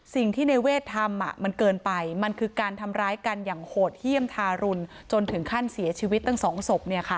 สิ่งที่ในเวททำมันเกินไปมันคือการทำร้ายกันอย่างโหดเยี่ยมทารุณจนถึงขั้นเสียชีวิตตั้ง๒ศพ